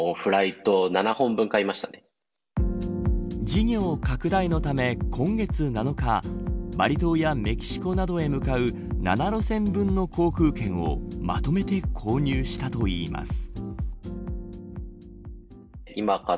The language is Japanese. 事業拡大のため今月７日バリ島やメキシコなどへ向かう７路線分の航空券をまとめて購入したといいます。